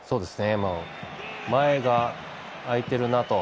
前が空いているなと。